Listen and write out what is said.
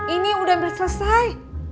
ini udah hampir selesai